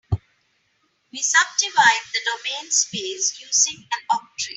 We subdivide the domain space using an octree.